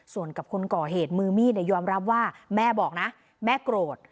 ส่วนกับคนก่อเหตุมือมีดยอมรับว่าแม่บอกนะแม่โกรธ